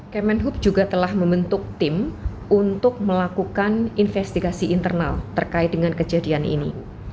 kemenhub juga telah membentuk tim untuk melakukan investigasi internal terkait dengan kejadian ini